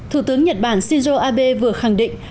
thủ tướng nhật bản shinzo abe vừa khẳng định